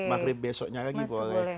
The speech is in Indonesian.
maghrib besoknya lagi boleh